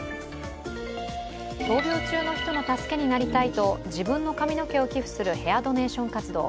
闘病中の人の助けになりたいと自分の髪の毛を寄付するヘアドネーション活動。